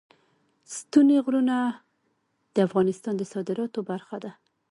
ستوني غرونه د افغانستان د صادراتو برخه ده.